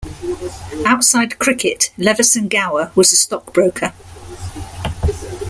Outside cricket, Leveson Gower was a stockbroker.